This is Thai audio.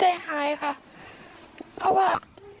ใจหายค่ะเพราะว่า